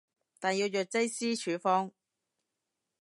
但要藥劑師處方